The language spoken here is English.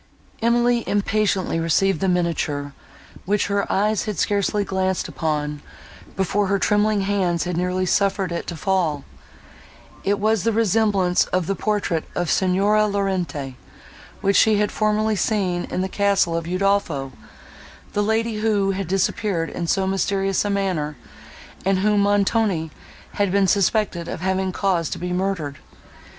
Emily impatiently received the miniature, which her eyes had scarcely glanced upon, before her trembling hands had nearly suffered it to fall—it was the resemblance of the portrait of Signora Laurentini, which she had formerly seen in the castle of Udolpho—the lady, who had disappeared in so mysterious a manner, and whom Montoni had been suspected of having caused to be murdered.